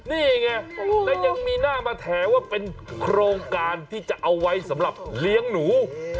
นี่ไงแล้วยังมีหน้ามาแถว่าเป็นโครงการที่จะเอาไว้สำหรับเลี้ยงหนู